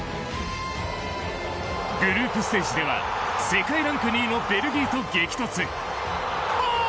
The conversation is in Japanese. グループステージでは世界ランク２位のベルギーと激突。